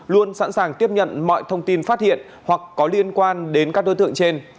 luôn sẵn sàng tiếp nhận mọi thông tin phát hiện hoặc có liên quan đến các đối tượng trên